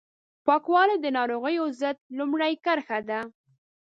پاکوالی د ناروغیو ضد لومړۍ کرښه ده